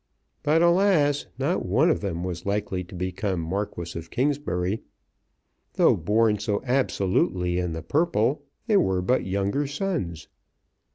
But, alas, not one of them was likely to become Marquis of Kingsbury. Though born so absolutely in the purple they were but younger sons.